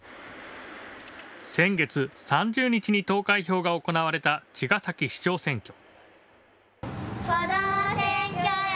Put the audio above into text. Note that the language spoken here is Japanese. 先月３０日に投開票が行われた茅ヶ崎市長選挙。